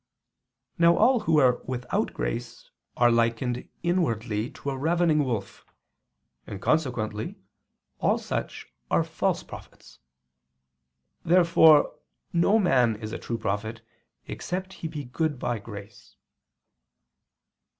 Now all who are without grace are likened inwardly to a ravening wolf, and consequently all such are false prophets. Therefore no man is a true prophet except he be good by grace.